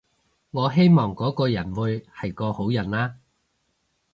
我希望嗰個人會係個好人啦